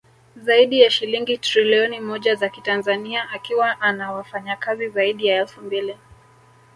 Zaidi ya shilingi Trilioni moja za kitanzania akiwa ana wafanyakazi zaidi ya elfu mbili